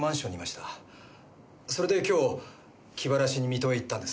それで今日気晴らしに水戸へ行ったんです。